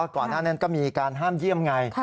ก่อนหน้านั้นก็มีการห้ามเยี่ยมไง